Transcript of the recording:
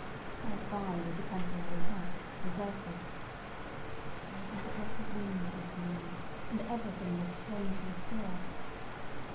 Hard by was a temporary hut, deserted. There was not a breath of wind this morning, and everything was strangely still.